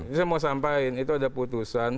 ini saya mau sampaikan itu ada putusan